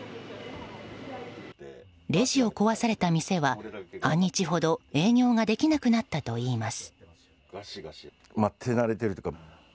レジを壊された店は半日ほど営業ができなくなったといいます。